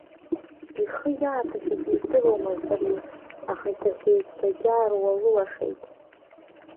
Ихы иааҭашәаз издыруамызт ари, аха иҭашәеит, дагьааруалыуашеит.